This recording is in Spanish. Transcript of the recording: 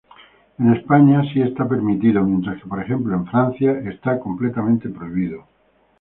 En España sí está permitido mientras que, por ejemplo, en Francia está completamente prohibido.